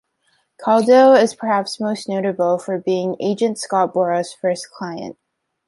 Caudill is perhaps most notable for being agent Scott Boras' first client.